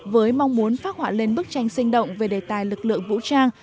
với mong muốn phát họa lên bức tranh sinh động về đề tài lực lượng vũ trang